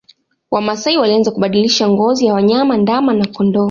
Wamasai walianza kubadilisha ngozi ya wanyama ndama na kondoo